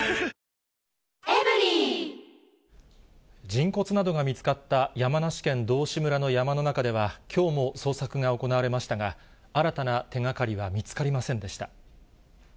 人骨などが見つかった山梨県道志村の山の中では、きょうも捜索が行われましたが、新たな手がかりは見つかりませんでした。